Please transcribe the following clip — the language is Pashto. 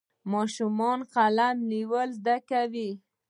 ماشومان قلم نیول زده کوي.